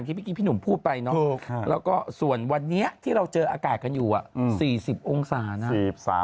เมื่อกี้พี่หนุ่มพูดไปเนาะแล้วก็ส่วนวันนี้ที่เราเจออากาศกันอยู่๔๐องศานะ